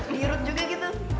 di rute juga gitu